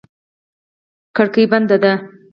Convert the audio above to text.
کړکۍ بنده ده.